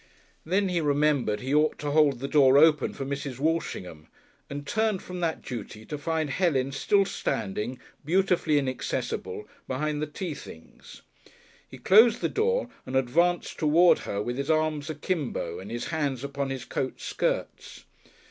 Then he remembered he ought to hold the door open for Mrs. Walshingham, and turned from that duty to find Helen still standing, beautifully inaccessible, behind the tea things. He closed the door and advanced toward her with his arms akimbo and his hands upon his coat skirts.